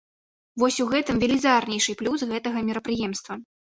Вось у гэтым велізарнейшы плюс гэтага мерапрыемства.